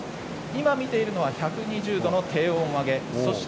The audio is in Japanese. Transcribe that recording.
今、見ているのは１２０度の低温揚げです。